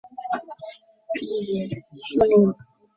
প্রতিবার পৃথিবী মনে করিয়াছে যে, এইবার সমস্যার সমাধান হইবে।